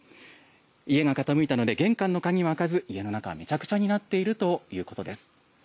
家が傾いたので玄関の鍵は開かず家の中はめちゃくちゃになっているということです。